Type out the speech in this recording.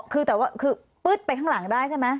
คือแต่ว่าคือปึ๊ดไปข้างหลังได้ใช่ไหม